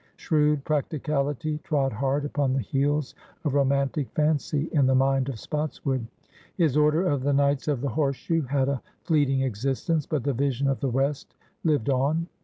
Shrewd practicality trod hard upon the heels of romantic fancy in the loind of Spotswood. His Order of the Knights of the Horseshoe had a fleeting existence, but the Vision of the West lived on.